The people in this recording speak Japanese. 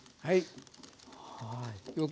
はい。